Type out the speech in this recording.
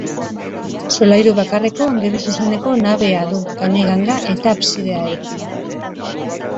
Solairu bakarreko angeluzuzeneko nabea du, kanoi-ganga eta absidearekin.